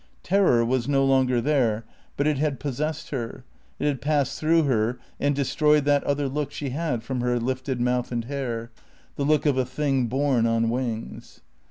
Terror was no longer there, but it had possessed her; it had passed through her and destroyed that other look she had from her lifted mouth and hair, the look of a thing borne on wings.